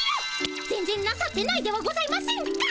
全ぜんなさってないではございませんか。